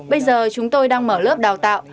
bây giờ chúng tôi đang mở lớp đào tạo